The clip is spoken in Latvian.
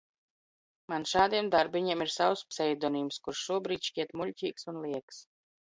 Man šādiem darbiņiem ir savs pseidonīms, kurš šobrīd šķiet muļķīgs un lieks.